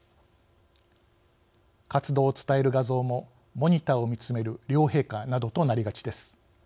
活動を伝える画像もモニターを見つめる両陛下などとなりがちです。